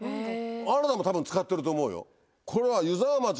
あなたも多分使ってると思うよ。